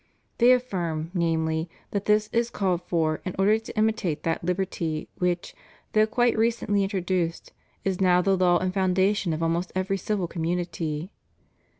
They affirm, namely, that this is called for in order to imitate that liberty which, though quite recently introduced, is now the law and the founda tion of almost every civil community.